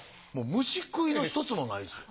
虫食いの１つもないです。